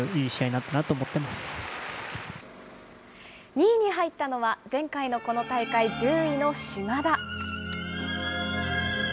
２位に入ったのは、前回のこの大会１０位の島田。